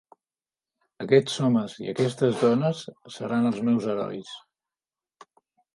Aquests homes i aquestes dones seran els meus herois